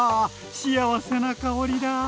幸せな香りだ。